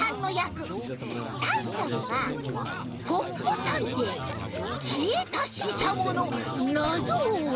タイトルは「ポッポたんていきえたししゃものなぞをおえ！」。